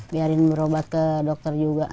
biarin berobat ke dokter juga